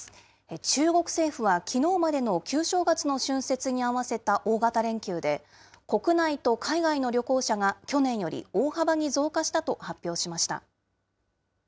中国政府はきのうまでの旧正月の春節に合わせた大型連休で、国内と海外の旅行者が去年より大幅に増加したと発表しました。